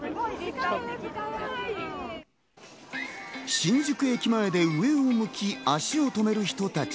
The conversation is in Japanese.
新宿駅前で上を向き、足を止める人たち。